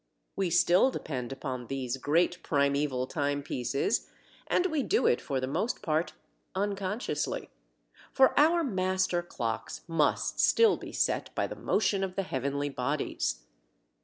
We still depend upon these great primeval timepieces and we do it for the most part unconsciously, for our master clocks must still be set by the motion of the heavenly bodies.